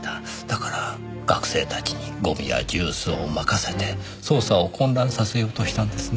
だから学生たちにゴミやジュースをまかせて捜査を混乱させようとしたんですね？